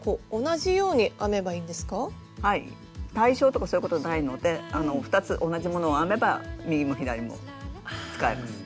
対称とかそういうことないので２つ同じものを編めば右も左も使えます。